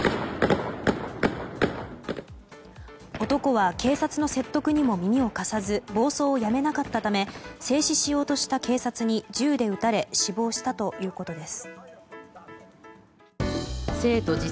男は、警察の説得にも耳を貸さず暴走をやめなかったため制止しようとした警察に銃で撃たれ死亡したということです。